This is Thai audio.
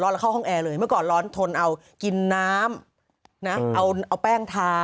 แล้วเข้าห้องแอร์เลยเมื่อก่อนร้อนทนเอากินน้ำนะเอาแป้งทา